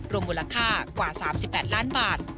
รวมมูลค่ากว่า๓๘ล้านบาท